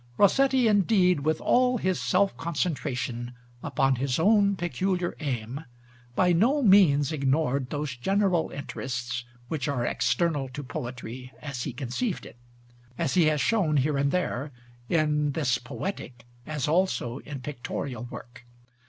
Rossetti, indeed, with all his self concentration upon his own peculiar aim, by no means ignored those general interests which are external to poetry as he conceived it; as he has shown here and there, in this poetic, as also in pictorial, work.